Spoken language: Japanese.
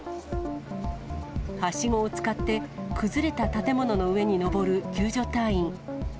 はしごを使って、崩れた建物の上に上る救助隊員。